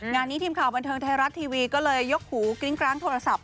งานนี้ทีมข่าวบันเทิงไทยรัฐทีวีก็เลยยกหูกริ้งกร้างโทรศัพท์